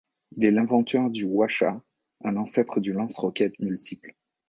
Il est l'inventeur du hwacha, un ancêtre du lance-roquettes multiple.